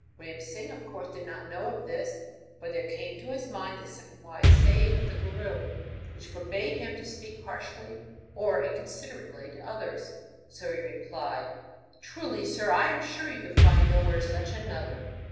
Ram Singh of course did not know of this, but there came to his mind the second wise saying of the guru, which forbade him to speak harshly or inconsiderately to others; so he replied: 'Truly, sir, I am sure you could find nowhere such another.'